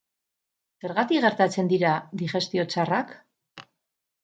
Zergatik gertatzen dira digestio txarrak?